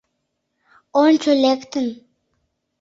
Ончо, лектын!